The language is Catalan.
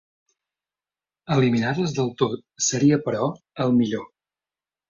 Eliminar-les del tot seria però el millor.